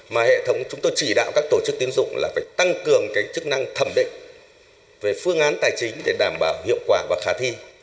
mà hệ thống chúng tôi chỉ đạo các tổ chức tiến dụng là phải tăng cường chức năng thẩm định về phương án tài chính để đảm bảo hiệu quả và khả thi